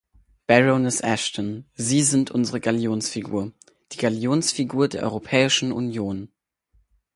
Baroness Ashton, Sie sind unsere Galionsfigur, die Galionsfigur der Europäischen Union.